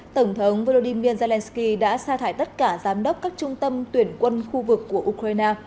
tổng thống volodymyr zelensky đã xa thải tất cả giám đốc các trung tâm tuyển quân khu vực của ukraine